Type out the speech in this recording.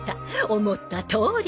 思ったとおり。